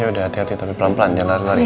udah hati hati tapi pelan pelan nya lari lari